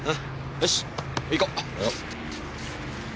よし行こう。